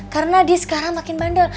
karena dia sekarang makin bandel